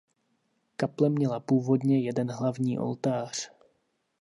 Kaple měla původně jeden hlavní oltář.